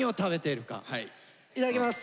いただきます。